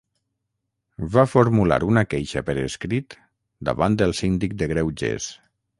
Va formular una queixa per escrit davant el síndic de greuges.